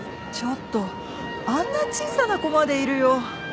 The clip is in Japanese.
ちょっとあんな小さな子までいるよ。